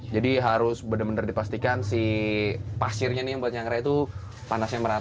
jadi harus benar benar dipastikan si pasirnya ini yang buat menyangrai itu panasnya merata